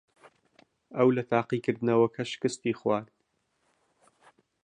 ئەو لە تاقیکردنەوەکە شکستی خوارد.